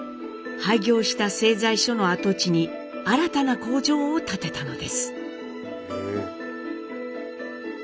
廃業した製材所の跡地に新たな工場を建てたのです。